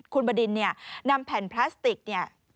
คุณบดินเนี่ยนำแผ่นพลาสติกเนี่ย